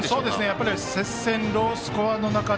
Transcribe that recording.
やっぱり接戦ロースコアの中で。